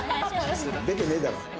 出てねえだろ。